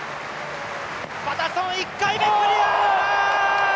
パタソン１回目、クリア！